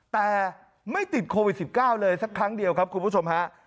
แต่ไม่ติดโควิด๑๙เลยสักครั้งเดียวครับคุณผู้ชมฮะ